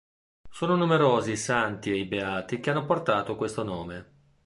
Sono numerosi i santi e i beati che hanno portato questo nome.